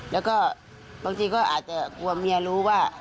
แล้วก็บางทีก็อาจจะกลัวเมียรู้ว่า